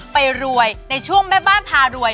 ไปรวยในช่วงแม่บ้านพารวย